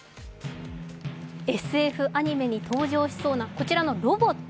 ＳＦアニメに登場しそうなこちらのロボット。